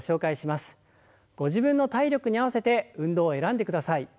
ご自分の体力に合わせて運動を選んでください。